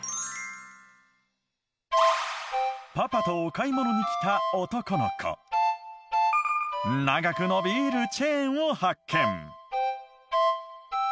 パパとお買い物に来た男の子長くのびるチェーンを発見